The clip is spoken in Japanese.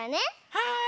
はい！